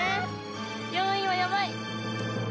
４いはやばい。